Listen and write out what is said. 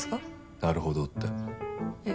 「なるほど」って。えっ？